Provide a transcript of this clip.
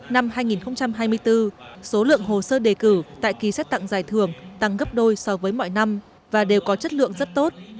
năm hai nghìn hai mươi bốn số lượng hồ sơ đề cử tại kỳ xét tặng giải thưởng tăng gấp đôi so với mọi năm và đều có chất lượng rất tốt